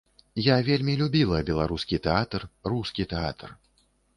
Я вельмі любіла беларускі тэатр, рускі тэатр.